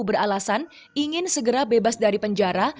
beralasan ingin segera bebas dari penjara